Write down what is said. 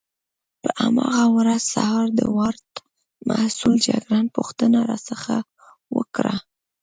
په هماغه ورځ سهار د وارډ مسؤل جګړن پوښتنه راڅخه وکړه.